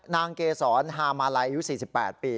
นางเกษรฮามาลัยอายุ๔๘ปี